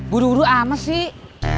buru buru ama sih